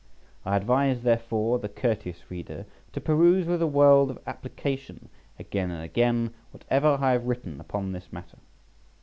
I advise, therefore, the courteous reader to peruse with a world of application, again and again, whatever I have written upon this matter.